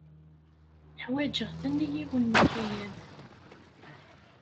Ḥwajeɣ-ten i yiwen n ukayad.